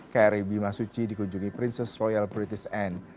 kri bimasuci dikunjungi princess royal british end